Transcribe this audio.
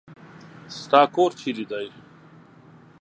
ستا کور چېري دی ؟